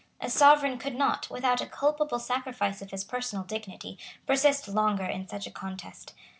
A sovereign could not, without a culpable sacrifice of his personal dignity, persist longer in such a contest.